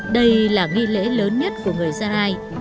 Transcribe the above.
đây là nghi lễ lớn nhất của người gia rai